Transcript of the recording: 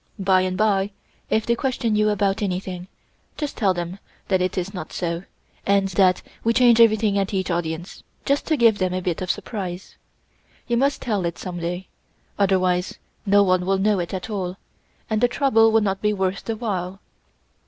By and bye, if they question you about anything, just tell them that it is not so, and that we change everything at each audience, just to give them a bit of surprise. You must tell it some day, otherwise no one will know it at all, and the trouble would not be worth the while."